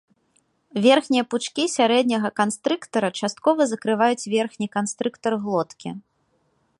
Верхнія пучкі сярэдняга канстрыктара часткова закрываюць верхні канстрыктар глоткі.